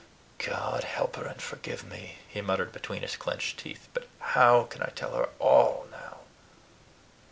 "God help her and forgive me!" he muttered between his clinched teeth; "but how can I tell her ALL now!"